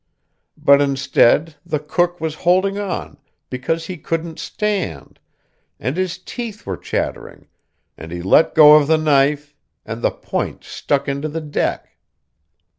But instead, the cook was holding on because he couldn't stand, and his teeth were chattering, and he let go of the knife, and the point stuck into the deck.